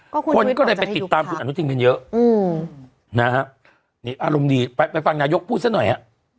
ก็คนก็เลยไปติดตามคุณอนุทินกันเยอะอืมนะฮะนี่อารมณ์ดีไปไปฟังนายกพูดซะหน่อยฮะ